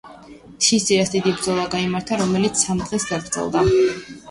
მთის ძირას დიდი ბრძოლა გაიმართა, რომელიც სამ დღეს გაგრძელდა.